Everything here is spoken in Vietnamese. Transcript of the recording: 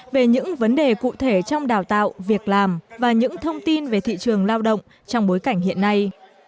về những vấn đề cụ thể trong đào tạo việc làm và những thông tin về thị trường lao động trong bối cảnh hiện nay